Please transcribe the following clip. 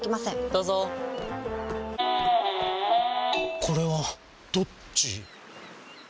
どうぞこれはどっち？